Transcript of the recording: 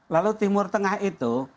lalu timur tengah itu